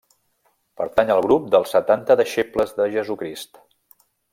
Pertany al grup dels setanta deixebles de Jesucrist.